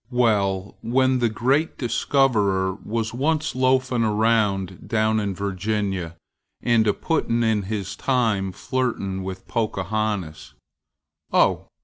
Well, when the great discoverer was once loafn' around down in Virginia, and a puttin' in his time flirting with Pocahontasâoh!